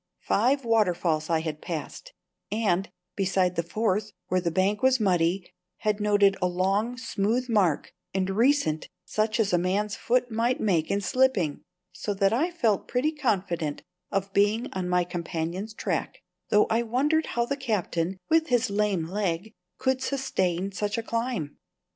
Five waterfalls I had passed, and, beside the fourth, where the bank was muddy, had noted a long, smooth mark, and recent, such as a man's foot might make in slipping; so that I felt pretty confident of being on my companions' track, though I wondered how the Captain, with his lame leg, could sustain such a climb.